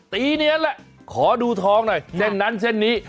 ตีเนียนแหละขอดูทองหน่อยเส้นนั้นเส้นนี้